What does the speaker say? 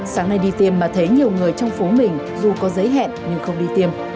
sáng nay đi tiêm mà thấy nhiều người trong phố mình dù có giới hẹn nhưng không đi tiêm